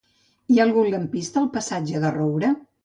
Hi ha algun lampista al passatge de Roura?